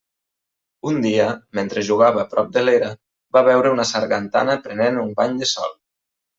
Un dia, mentre jugava prop de l'era, va veure una sargantana prenent un bany de sol.